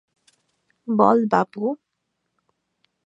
বল, বাবু।